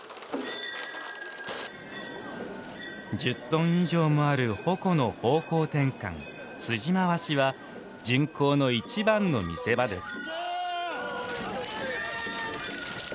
１０トン以上もある鉾の方向転換「辻回し」は巡行のいちばんの見せ場です。